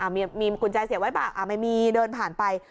มีมอเตอร์ไซค์เสียบไว้ปะอ่ะไม่มีเดินผ่านไป